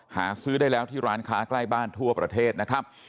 หาซื้อได้แล้วที่ร้านค้าใกล้บ้านทั่วประเทศนะครับ